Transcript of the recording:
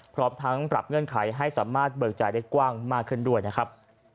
พร้อมทั้งปรับเงื่อนไขให้สามารถเบิกจ่ายได้กว้างมากขึ้นด้วยนะครับ